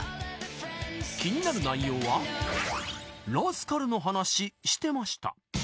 気になる内容は、ラスカルの話をしてました。